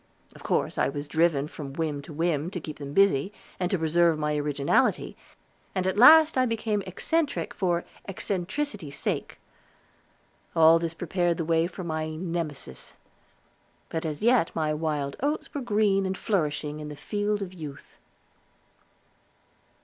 Of course I was driven from whim to whim, to keep them busy, and to preserve my originality, and at last I became eccentric for eccentricity's sake. All this prepared the way for my Nemesis. But as yet my wild oats were green and flourishing in the field of youth.